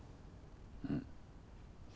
うん。